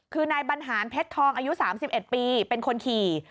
คือนายบรรหารเพชรทองอายุ๓๑ปีเป็นคนขี่